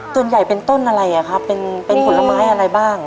ต้นใหญ่เป็นต้นอะไรค่ะเป็นผลไม้อะไรบ้าง